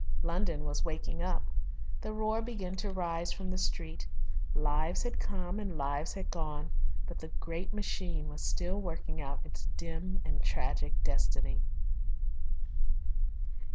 London was waking up. The roar began to rise from the street. Lives had come and lives had gone, but the great machine was still working out its dim and tragic destiny.